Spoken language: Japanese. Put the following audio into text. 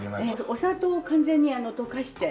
お砂糖を完全に溶かして。